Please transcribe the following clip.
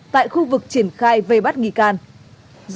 tại khu vực triển khai về bắt đối tượng